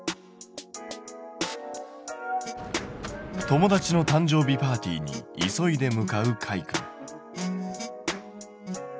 友達の誕生日パーティーに急いで向かうかいくん。